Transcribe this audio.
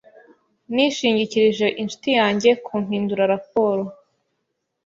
Nishingikirije inshuti yanjye kumpindura raporo.